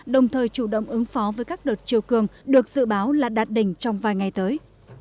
đồng thời chủ động ứng phó với các đợt chiều cường được dự báo là đạt đỉnh trong vài ngày tới